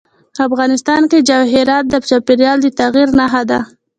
افغانستان کې جواهرات د چاپېریال د تغیر نښه ده.